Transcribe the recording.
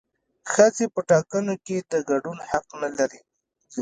ښځې په ټاکنو کې د ګډون حق نه لري